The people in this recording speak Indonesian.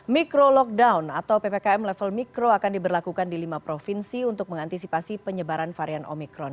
mikro lockdown atau ppkm level mikro akan diberlakukan di lima provinsi untuk mengantisipasi penyebaran varian omikron